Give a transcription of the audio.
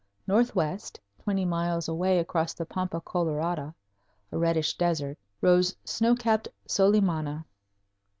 Northwest, twenty miles away across the Pampa Colorada, a reddish desert, rose snow capped Solimana.